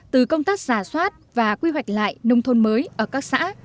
từ công tác giả soát và quy hoạch lại nông thôn mới ở các xã